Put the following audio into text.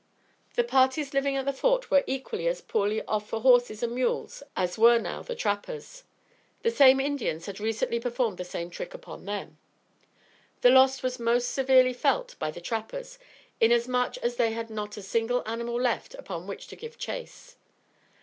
The parties living at the Fort were equally as poorly off for horses and mules as were now the trappers. The same Indians had recently performed the same trick upon them. The loss was most severely felt by the trappers, inasmuch as they had not a single animal left upon which to give chase.